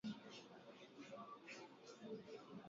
Kijiko cha fedha na sahani ya karatasi